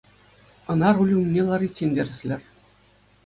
Ӑна руль умне лариччен тӗрӗслӗр.